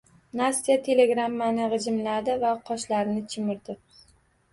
Nastya telegrammani gʻijimladi va qoshlarini chimirdi.